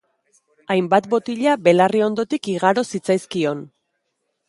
Hainbat botila belarri ondotik igaro zitzaizkion.